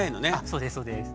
そうですそうです。